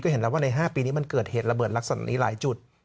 เห็นแล้วว่าใน๕ปีนี้มันเกิดเหตุระเบิดลักษณะนี้หลายจุด